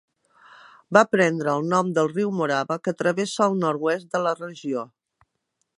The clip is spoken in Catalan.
Va prendre el nom del riu Morava, que travessa el nord-oest de la regió.